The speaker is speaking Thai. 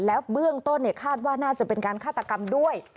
แล้วเบื้องต้นคาดว่าน่าจะเป็นการฆาตกรรมด้วย